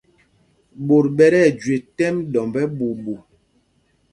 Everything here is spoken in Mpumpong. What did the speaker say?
Ɓot ɓɛ tí ɛjüe tɛ́m ɗɔmb ɛ́ɓuuɓu.